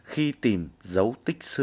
khi tìm dấu tích xưa